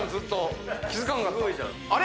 あれ？